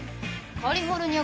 カリフォルニア？